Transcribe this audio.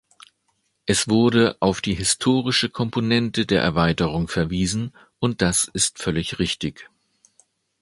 Es wurde auf die historische Komponente der Erweiterung verwiesen, und das ist völlig richtig.